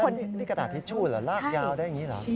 นี่กระดาษทิชชู่เหรอลากยาวได้อย่างนี้เหรอ